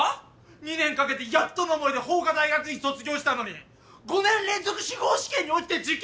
２年かけてやっとの思いで法科大学院卒業したのに５年連続司法試験に落ちて受験資格もパア！